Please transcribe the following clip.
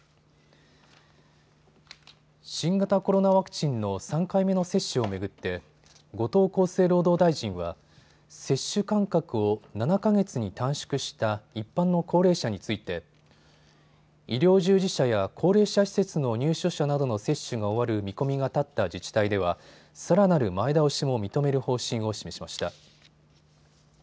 新型コロナワクチンの３回目の接種を巡って後藤厚生労働大臣は接種間隔を７か月に短縮した一般の高齢者について医療従事者や高齢者施設の入所者などの接種が終わる見込みが立った自治体ではさらなる前倒しも認める方針を示しました。